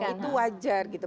itu wajar gitu